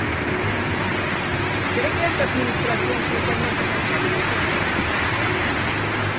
Cre que as Administracións recoñecen a importancia do voso sector?